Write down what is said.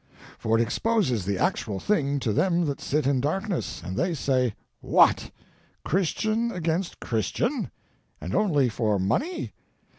For it exposes the Actual Thing to Them that Sit in Darkness, and they say : "What ! Christian against Christian? And only for money?